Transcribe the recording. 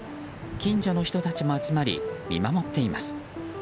近所の人たちも集まり見守っています。